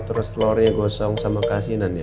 terus telurnya gosong sama kasihinannya